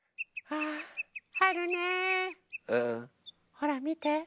ほらみて。